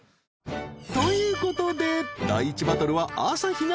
［ということで］